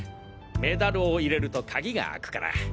メダルを入れると鍵が開くから。